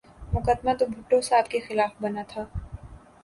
مقدمہ تو بھٹو صاحب کے خلاف بنا تھا۔